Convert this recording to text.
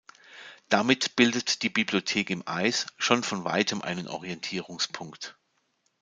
Damit bildet die „Bibliothek im Eis“ schon von weitem einen Orientierungspunkt.